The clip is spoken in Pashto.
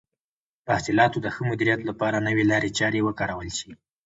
د حاصلاتو د ښه مدیریت لپاره نوې لارې چارې وکارول شي.